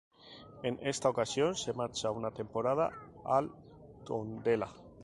En esta ocasión se marcha una temporada al Tondela.